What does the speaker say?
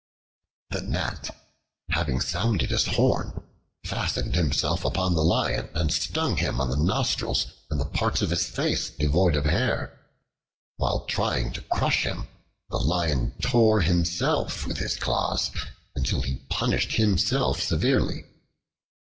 The Gnat, having sounded his horn, fastened himself upon the Lion and stung him on the nostrils and the parts of the face devoid of hair. While trying to crush him, the Lion tore himself with his claws, until he punished himself severely.